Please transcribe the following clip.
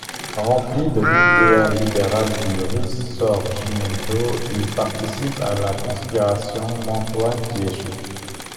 Rempli de l'idéal libéral du risorgimento, il participe à la conspiration mantouane qui échoue.